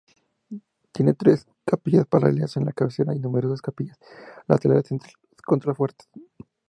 Tiene tres capillas paralelas en la cabecera y numerosas capillas laterales entre los contrafuertes.